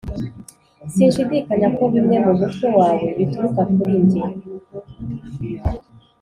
sinshidikanya ko bimwe mumutwe wawe bituruka kuri njye.